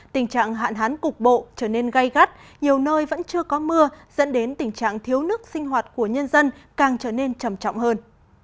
tình trạng hạn hán cục bộ trở nên gây gắt nhiều nơi vẫn chưa có mưa dẫn đến tình trạng thiếu nước sinh hoạt của nhân dân càng trở nên trầm trọng hơn